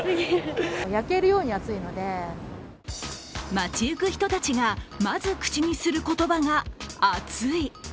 街ゆく人たちがまず口にする言葉が暑い。